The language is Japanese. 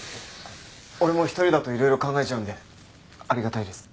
俺も一人だといろいろ考えちゃうんでありがたいです。